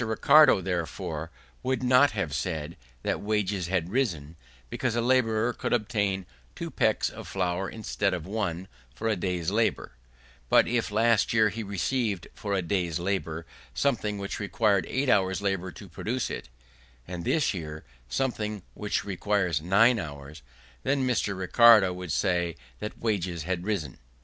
Ricardo, therefore, would not have said that wages had risen, because a labourer could obtain two pecks of flour instead of one, for a day's labour; but if last year he received, for a day's labour, something which required eight hours' labour to produce it, and this year something which requires nine hours, then Mr. Ricardo would say that wages had risen.